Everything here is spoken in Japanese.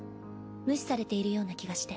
無視されているような気がして。